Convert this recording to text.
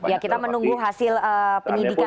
ya kita menunggu hasil pendidikan nanti ya